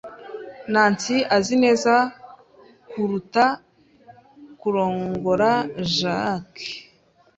Nancy azi neza kuruta kurongora Jack.